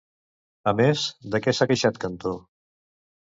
A més, de què s'ha queixat Cantó?